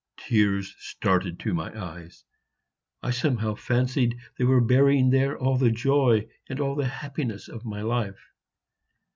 Tears started to my eyes; I somehow fancied they were burying there all the joy and all the happiness of life.